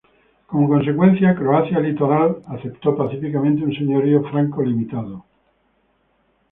Como consecuencia, Croacia litoral aceptó pacíficamente un señorío franco limitado.